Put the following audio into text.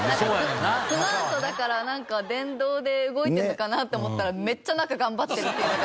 スマートだからなんか電動で動いてるのかなって思ったらめっちゃ中頑張ってるっていうのが。